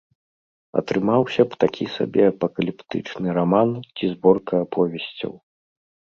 Атрымаўся б такі сабе апакаліптычны раман ці зборка аповесцяў.